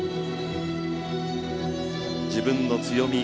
自分の強み